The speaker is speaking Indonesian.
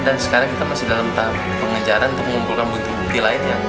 dan sekarang kita masih dalam tahap pengejaran untuk mengumpulkan bukti bukti lainnya